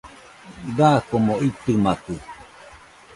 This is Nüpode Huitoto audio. Dakomo itɨmakɨ